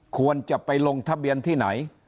ควรจะไปลงทะเบียนที่ไหน